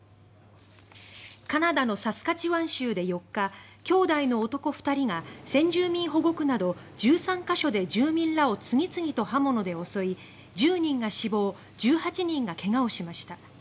カナダのサスカチワン州で４日兄弟の男２人が先住民保護区など１３か所で住民らを次々と刃物で襲い１０人が死亡１８人が怪我をしました。